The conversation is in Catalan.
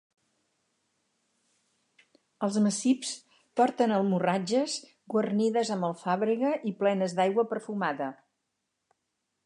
Els macips porten almorratxes guarnides amb alfàbrega i plenes d'aigua perfumada.